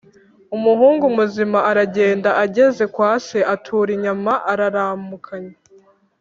Umuhungu muzima aragenda ageze kwa se atura inyama araramukanya